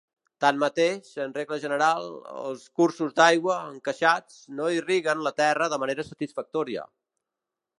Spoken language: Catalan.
Tanmateix, en regla general, els cursos d'aigua, encaixats, no irriguen la terra de manera satisfactòria.